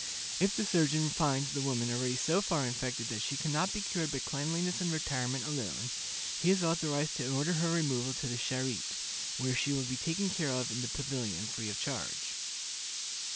If the surgeon finds the woman already so far infected that she can not be cured by cleanliness and retirement alone, he is authorized to order her removal to the Charité, "where she will be taken care of in the pavilion free of charge."